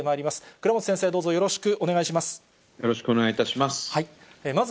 倉持先生、どうぞよろしくお願いします。